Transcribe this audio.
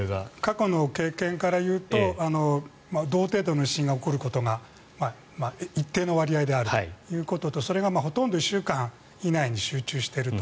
過去の経験から言うと同程度の地震が起こることが一定の割合であるということとそれがほとんど１週間以内に集中していると。